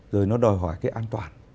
rồi nó đòi hỏi cái an toàn